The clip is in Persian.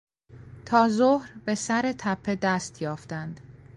تا ظهر به سر تپه دست یافتند.